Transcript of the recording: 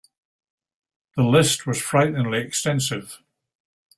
The list was frighteningly extensive.